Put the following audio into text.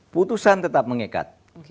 putusan tetap mengikat